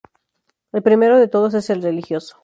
El primero de todos es el religioso.